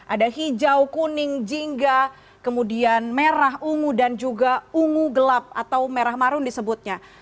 ada hijau kuning jingga kemudian merah ungu dan juga ungu gelap atau merah marun disebutnya